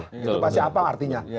itu pasti apa artinya